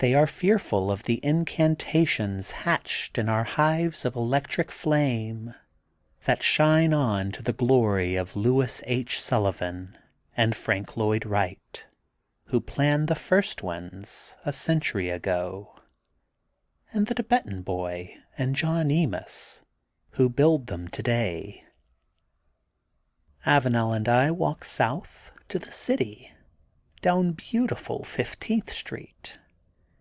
They are fearful of the incantations hatched in our hives of electrical flame that shine on to the glory of Louis H. Sullivan and Frank Lloyd Wright, who planned the first ones, a cen tury ago, and the Thibetan Boy and John Emis, who build them today. Avanel and I walk south to the city down beautiful Fifteenth Street.